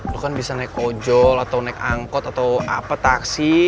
itu kan bisa naik ojol atau naik angkot atau apa taksi